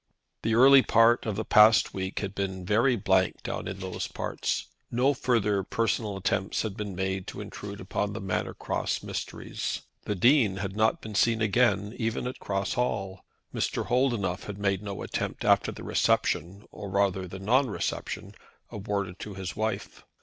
The early part of the past week had been very blank down in those parts. No further personal attempts had been made to intrude upon the Manor Cross mysteries. The Dean had not been seen again, even at Cross Hall. Mr. Holdenough had made no attempt after the reception, or rather non reception, awarded to his wife.